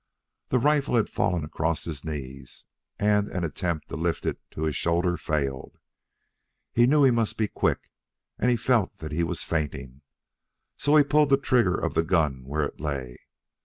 The rifle had fallen across his knees, and an attempt to lift it to his shoulder failed. He knew he must be quick, and felt that he was fainting, so he pulled the trigger of the gun where it lay.